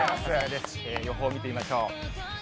予報見てみましょう。